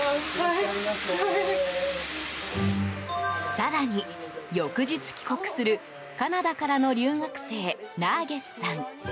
更に、翌日帰国するカナダからの留学生ナーゲスさん。